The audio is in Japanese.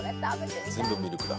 全部ミルクだ。